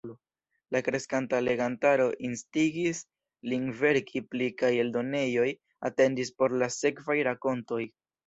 La kreskanta legantaro instigis lin verki pli kaj eldonejoj atendis por la sekvaj rakontoj.